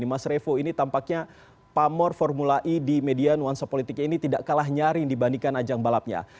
mas revo ini tampaknya pamor formula e di media nuansa politiknya ini tidak kalah nyaring dibandingkan ajang balapnya